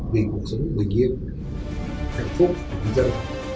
vì cuộc sống bình yên hạnh phúc nhân dân